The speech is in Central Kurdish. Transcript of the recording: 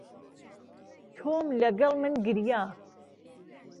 تۆم لەگەڵ من گریا.